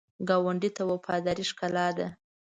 ګاونډي ته وفاداري ښکلا ده